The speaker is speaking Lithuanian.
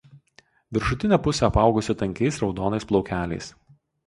Viršutinė pusė apaugusi tankiais raudonais plaukeliais.